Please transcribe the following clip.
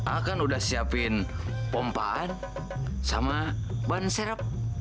aku kan udah siapin pompaan sama ban serep